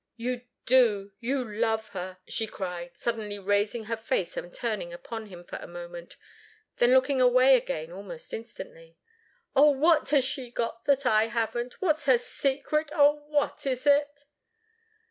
You do! You love her!" she cried, suddenly raising her face and turning upon him for a moment, then looking away again almost instantly. "Oh, what has she got that I haven't? What's her secret oh, what is it?"